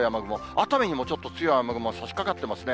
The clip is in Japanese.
熱海にもちょっと、強い雨雲がさしかかってますね。